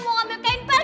mau ambil kain par